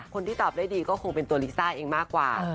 คนที่ตอบได้ดีก็คงเป็นตัวลิซ่าเองมากกว่า